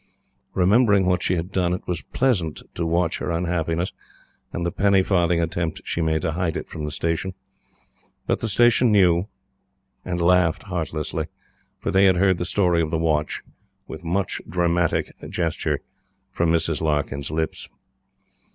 Remembering what she had done, it was pleasant to watch her unhappiness, and the penny farthing attempts she made to hide it from the Station. But the Station knew and laughed heartlessly; for they had heard the story of the watch, with much dramatic gesture, from Mrs. Larkyn's lips.